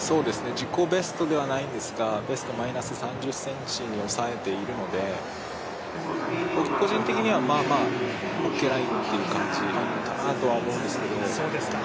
自己ベストではないんですが、ベストマイナス３０ｃｍに抑えているので僕個人的にはまあまあオッケーラインという感じだと思うんですけど。